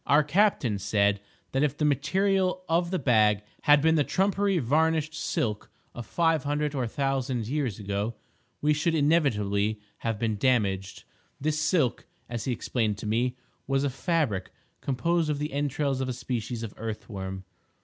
Our captain said that if the material of the bag had been the trumpery varnished "silk" of five hundred or a thousand years ago, we should inevitably have been damaged. This silk, as he explained it to me, was a fabric composed of the entrails of a species of earth worm.